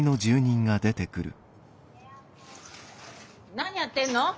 何やってんの？